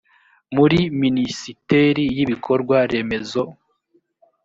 muri minisiteri y’ ibikorwa remezo